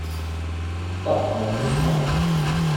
不可偏廢